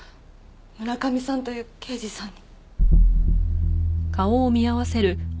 村上さんという刑事さんに。